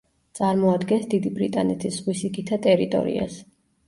წარმოადგენს დიდი ბრიტანეთის ზღვისიქითა ტერიტორიას.